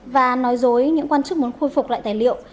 và nói dối những quan chức muốn khôi phục lại tài liệu